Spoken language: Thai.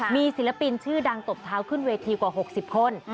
มีศิลปินชื่อดังตบเท้าขึ้นเวทีกว่า๖๐คน